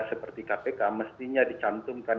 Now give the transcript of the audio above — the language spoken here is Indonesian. seperti kpk mestinya dicantumkan